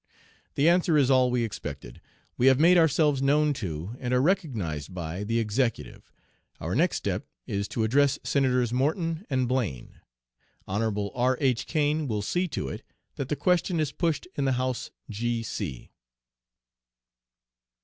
The answer is all we expected. We have made ourselves known to, and are recognized by, the Executive; our next step is to address Senators Morton and Blaine Hon. R. H. Cain will see to it, that the question is pushed in the House.